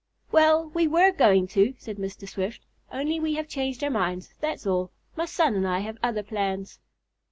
"Well, we were going to," said Mr. Swift, "only we have changed our minds, that's all. My son and I have other plans."